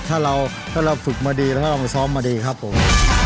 ถ้าเราฝึกมาดีถ้าเรามาซ้อมมาดีครับผม